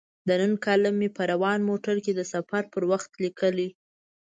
د نن کالم مې په روان موټر کې د سفر پر وخت لیکلی.